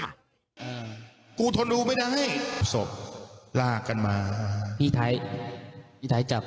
อ่ากูทนดูไม่ได้ศพลากกันมาอ่าพี่ไทยพี่ไทยจับ